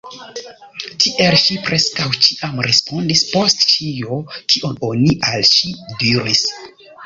Tiel ŝi preskaŭ ĉiam respondis post ĉio, kion oni al ŝi diris.